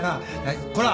こら！